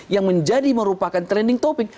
yang menjadi merupakan trending topic